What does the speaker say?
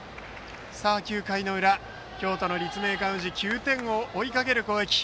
９回の裏、京都の立命館宇治９点を追いかける攻撃。